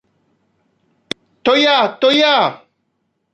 "To ja, to ja!"